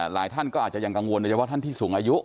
หลายท่านก็อาจจะยังกังวลโดยเฉพาะท่านที่สูงอายุ